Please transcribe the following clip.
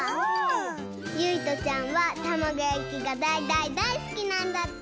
ゆいとちゃんはたまごやきがだいだいだいすきなんだって！